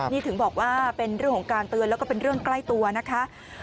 นี่ถึงบอกว่าเป็นเรื่องของการเตือนแล้วก็เป็นเรื่องใกล้ตัวนะคะ